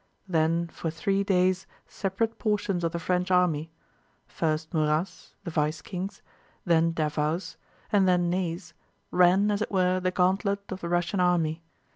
Then for three days separate portions of the French army—first Murat's (the vice king's), then Davout's, and then Ney's—ran, as it were, the gauntlet of the Russian army.